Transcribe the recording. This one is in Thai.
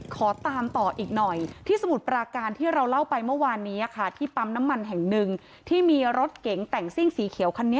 ขอตามต่ออีกหน่อยที่สมุทรปราการที่เราเล่าไปเมื่อวานนี้ค่ะที่ปั๊มน้ำมันแห่งหนึ่งที่มีรถเก๋งแต่งซิ่งสีเขียวคันนี้